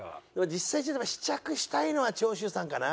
実際試着したいのは長州さんかな。